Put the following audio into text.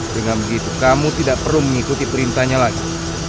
dengan begitu kamu tidak perlu mengikuti perintahnya lagi